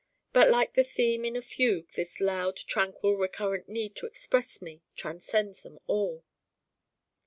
But like the theme in a fugue this loud tranquil recurrent need to Express me transcends them all.